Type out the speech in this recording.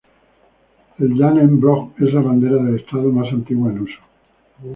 El "Dannebrog" es la bandera de Estado más antigua en uso.